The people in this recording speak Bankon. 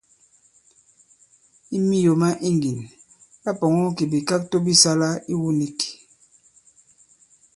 I miyò ma iŋgìn, ɓa pɔ̀ŋɔ kì bìkakto bi sālā iwu nīk.